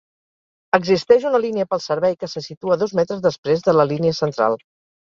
Existeix una línia pel servei que se situa dos metres després de la línia central.